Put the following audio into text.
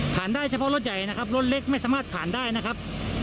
ได้เฉพาะรถใหญ่นะครับรถเล็กไม่สามารถผ่านได้นะครับ